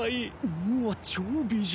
うわっ超美人。